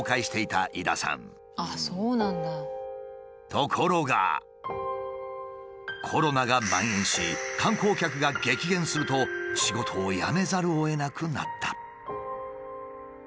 ところがコロナが蔓延し観光客が激減すると仕事を辞めざるをえなくなった。